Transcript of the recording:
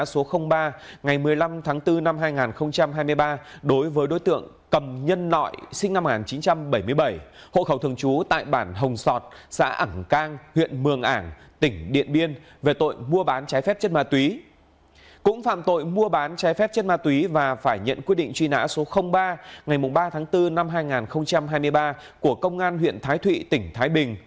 cũng phạm tội mua bán trái phép chất ma túy và phải nhận quyết định truy nã số ba ngày ba tháng bốn năm hai nghìn hai mươi ba của công an huyện thái thụy tỉnh thái bình